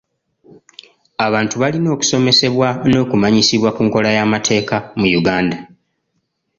Abantu balina okusomesebwa n'okumanyisibwa ku nkola y'amateeka mu Uganda.